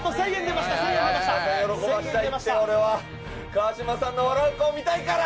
川島さんの笑う顔、見たいから！